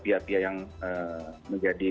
pihak pihak yang menjadi